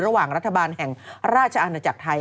ระหว่างรัฐบาลแห่งราชอาณาจักรไทย